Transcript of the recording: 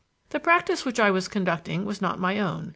The practice which I was conducting was not my own.